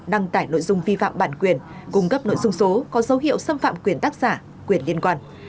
đăng tải nội dung vi phạm bản quyền cung cấp nội dung số có dấu hiệu xâm phạm quyền tác giả quyền liên quan